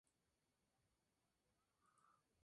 Vive en Londres y Los Ángeles.